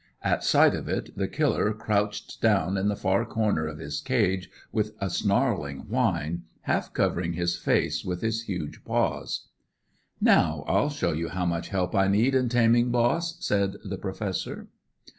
At sight of it the Killer crouched down in the far corner of his cage with a snarling whine, half covering his face with his huge paws. "Now I'll show you how much help I need in taming, boss," said the Professor.